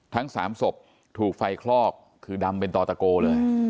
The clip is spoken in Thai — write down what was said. ทั้ง๓ศพถูกไฟคลอกคือดำเป็นต่อตะโกเลย